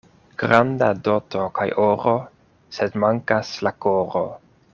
Granda doto kaj oro, sed mankas la koro.